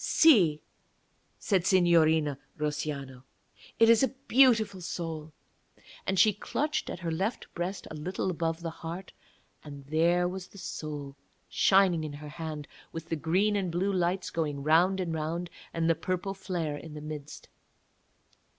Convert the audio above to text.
'See,' said Signorina Russiano, 'it is a beautiful soul.' And she clutched at her left breast a little above the heart, and there was the soul shining in her hand, with the green and blue lights going round and round and the purple flare in the midst.